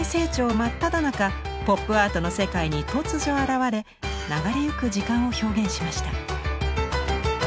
真っただ中ポップアートの世界に突如現れ流れゆく時間を表現しました。